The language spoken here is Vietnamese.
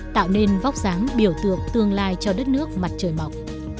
tạo nên vóc dáng biểu tượng tương lai cho đất nước mặt trời mọc